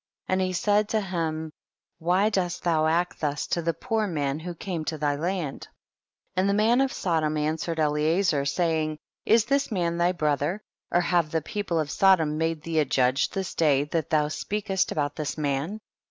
14. And he said to him, why dost thou act thus to the poor man who came to thy land ? 15. And the man of Sodom an swered Eliezer, saying, is this man thy brother, or have the people of Sodom made thee a judge this day, that thou speakest about this man